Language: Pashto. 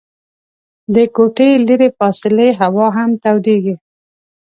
د کوټې لیري فاصلې هوا هم تودیږي.